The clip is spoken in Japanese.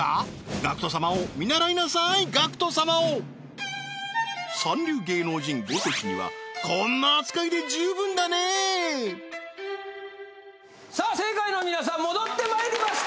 ＧＡＣＫＴ様を見習いなさいＧＡＣＫＴ様を三流芸能人ごときにはこんな扱いで十分だねさあ正解の皆さん戻ってまいりました！